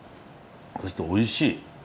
そしておいしい。